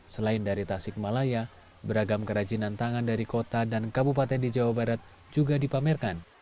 selain dari tasik malaya beragam kerajinan tangan dari kota dan kabupaten di jawa barat juga dipamerkan